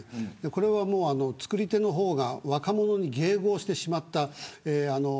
これは、作り手の方が若者に迎合してしまった。